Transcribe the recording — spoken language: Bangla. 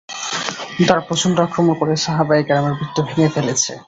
তারা প্রচণ্ড আক্রমণ করে সাহাবায়ে কেরামের বৃত্ত ভেঙ্গে ফেলেছে।